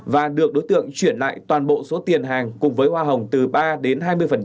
và được đối tượng chuyển lại toàn bộ số tiền hàng cùng với hoa hồng từ ba đến hai mươi